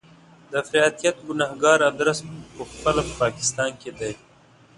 د افراطیت ګنهګار ادرس په خپله په پاکستان کې دی.